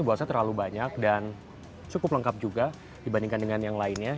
buat saya terlalu banyak dan cukup lengkap juga dibandingkan dengan yang lainnya